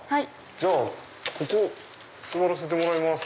じゃあここ座らせてもらいます。